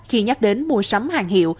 khi nhắc đến mua sắm hàng hiệu